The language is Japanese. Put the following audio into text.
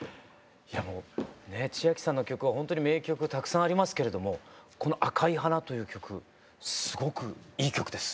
いやもうねちあきさんの曲はほんとに名曲たくさんありますけれどもこの「紅い花」という曲すごくいい曲です。